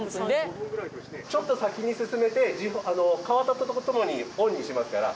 ちょっと先に進めて変わったとともにオンにしますから。